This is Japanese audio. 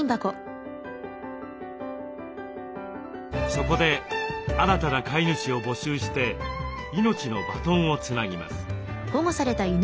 そこで新たな飼い主を募集して命のバトンをつなぎます。